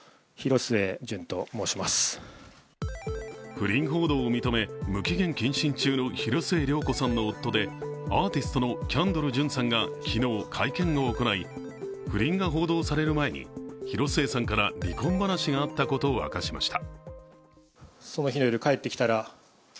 不倫報道を認め無期限謹慎中の広末涼子さんの夫でアーティストのキャンドル・ジュンさんが昨日、会見を行い不倫が報道される前に広末さんから離婚話があったことを明かしました。